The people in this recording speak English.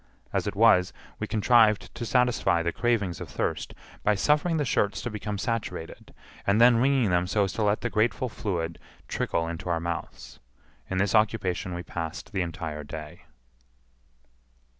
As it was, we contrived to satisfy the cravings of thirst by suffering the shirts to become saturated, and then wringing them so as to let the grateful fluid trickle into our mouths. In this occupation we passed the entire day.